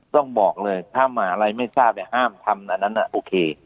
ต้องบอกเลยถ้ามหาลัยไม่ทราบห้ามทำอันนั้นโอเค